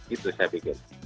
itu saya pikir